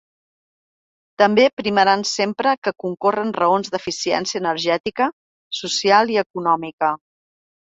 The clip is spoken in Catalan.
També primaran sempre que concorren raons d’eficiència energètica, social i econòmica.